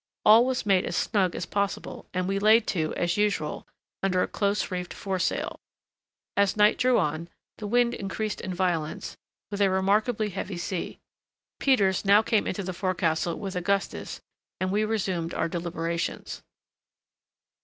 All was made as snug as possible, and we laid to, as usual, under a close reefed foresail. As night drew on, the wind increased in violence, with a remarkably heavy sea. Peters now came into the forecastle with Augustus, and we resumed our deliberations.